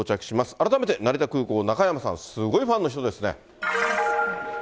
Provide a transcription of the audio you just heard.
改めて、成田空港、中山さん、すごいファンの人ですね。